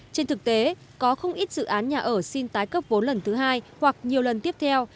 trên thực tế có không ít dự án nhà ở xin tái cấp vốn lần thứ hai hoặc nhiều lần tiếp theo